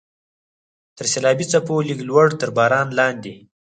تر سیلابي څپو لږ لوړ، تر باران لاندې.